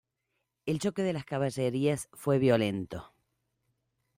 El choque de las caballerías fue violento.